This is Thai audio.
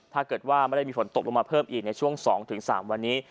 ถ้าเกิดว่าไม่ได้มีฝนตกลงมาเพิ่มอีกในช่วง๒๓วันนี้